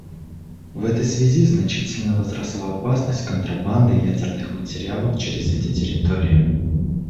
В этой связи значительно возросла опасность контрабанды ядерных материалов через эти территории.